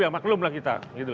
ya maklumlah kita